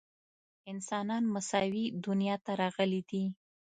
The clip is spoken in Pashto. انسانان مساوي دنیا ته راغلي دي.